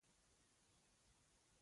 خو شیدې جاري کېږي، هغه له مور جلا کېږي.